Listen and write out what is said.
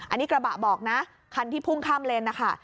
อันนี้กระบะบอกนะคันที่พุ่งข้ามเลนนะคะ